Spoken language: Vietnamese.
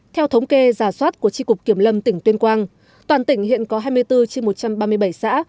theo thống kê giả soát của tri cục kiểm lâm tỉnh tuyên quang toàn tỉnh hiện có hai mươi bốn trên một trăm ba mươi bảy xã